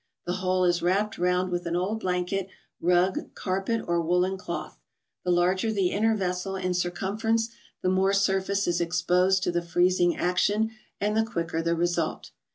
The whole is wrapped round with an old blanket, rug, carpet or woolen cloth. The larger the inner vessel in circumference, the more surface is exposed to the freezing action, and the quicker the result.